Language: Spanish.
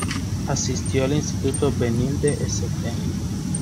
Asistió al instituto Benilde-St.